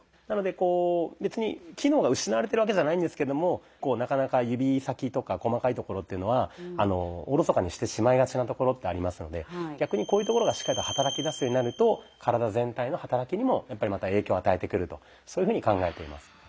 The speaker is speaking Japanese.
なので別に機能が失われてるわけじゃないんですけどもなかなか指先とか細かいところっていうのはおろそかにしてしまいがちなところってありますので逆にこういうところがしっかりと働きだすようになると体全体の働きにも影響を与えてくるとそういうふうに考えています。